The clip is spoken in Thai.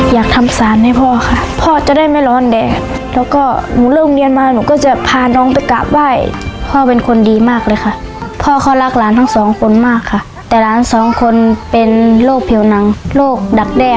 อยากทำสารให้พ่อค่ะพ่อจะได้ไม่ร้อนแดดแล้วก็หนูเลิกเรียนมาหนูก็จะพาน้องไปกราบไหว้พ่อเป็นคนดีมากเลยค่ะพ่อเขารักหลานทั้งสองคนมากค่ะแต่หลานสองคนเป็นโรคผิวหนังโรคดักแด้